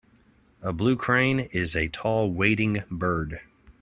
A blue crane is a tall wading bird.